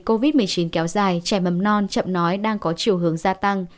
covid một mươi chín kéo dài trẻ mầm non chậm nói đang có chiều hướng gia tăng